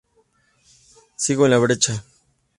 Sigo en la brecha".